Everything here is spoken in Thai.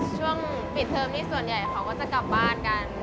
ช่วงปิดเทอมนี้ส่วนใหญ่เขาก็จะกลับบ้านกัน